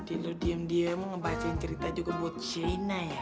jadi lu diem diem ngebacain cerita juga buat shaina ya